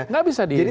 tidak bisa dibantah